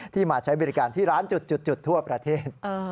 มาใช้บริการที่ร้านจุดทั่วประเทศ